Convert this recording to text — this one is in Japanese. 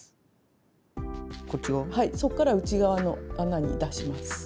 そっから内側の穴に出します。